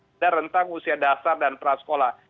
ada rentang usia dasar dan prasekolah